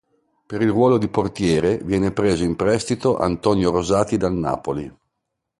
Per il ruolo di portiere viene preso in prestito Antonio Rosati dal Napoli.